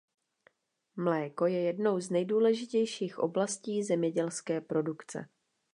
Mléko je jednou z nejdůležitějších oblastí zemědělské produkce.